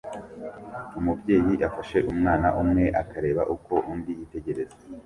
Umubyeyi afashe umwana umwe akareba uko undi yitegereza